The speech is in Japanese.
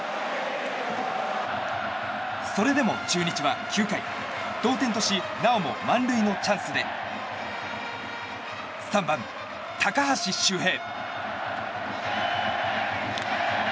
それでも中日は９回同点としなおも満塁のチャンスで３番、高橋周平。